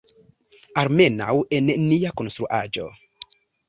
Almenaŭ, en nia konstruaĵo.